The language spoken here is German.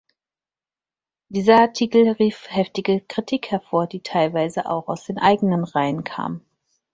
Dieser Artikel rief heftige Kritik hervor, die teilweise auch aus den eigenen Reihen kam.